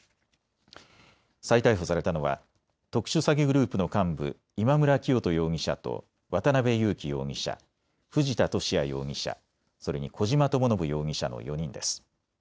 再逮捕されたのは特殊詐欺グループの幹部、今村磨人容疑者と渡邉優樹容疑者、藤田聖也容疑者、それに小島智信容疑者の４人です。